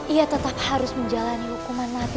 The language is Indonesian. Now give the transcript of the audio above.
ia tetap harus menjalani hukuman mati